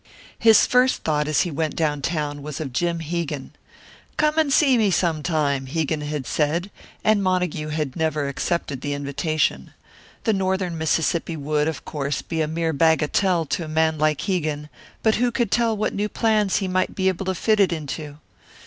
His first thought, as he went down town, was of Jim Hegan. "Come and see me sometime," Hegan had said, and Montague had never accepted the invitation. The Northern Mississippi would, of course, be a mere bagatelle to a man like Hegan, but who could tell what new plans he might be able to fit it into?